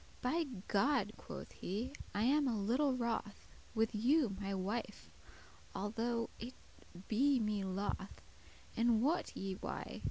"By God," quoth he, "I am a little wroth With you, my wife, although it be me loth; And wot ye why?